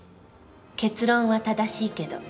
結論は正しいけど。